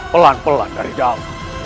pelan pelan dari dam